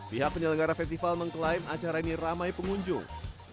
pihak penyelenggara festival mengklaim acara ini ramai pengunjung